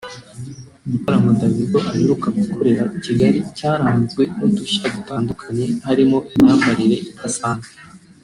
Igitaramo Davido aheruka gukorera i Kigali cyaranzwe n’ udushya dutandukanye harimo imyambarire idasanzwe